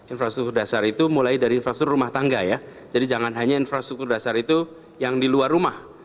infrastruktur dasar itu mulai dari infrastruktur rumah tangga ya jadi jangan hanya infrastruktur dasar itu yang di luar rumah